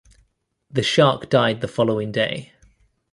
The shark died the following day.